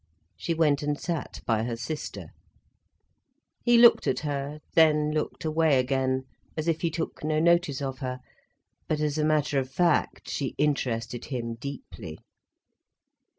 She went and sat by her sister. He looked at her, then looked away again, as if he took no notice of her. But as a matter of fact, she interested him deeply.